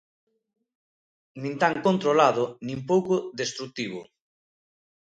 Nin tan controlado, nin pouco destrutivo.